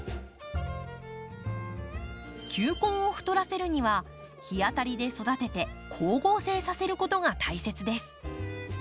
球根を太らせるには日当たりで育てて光合成させることが大切です。